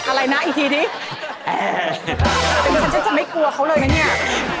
อะไรนะอีกทีนี้ฉันจะไม่กลัวเขาเลยมั้ยเนี่ย